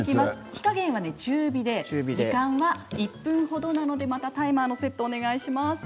火加減は中火で時間は１分程なのでまたタイマーのセットをお願いします。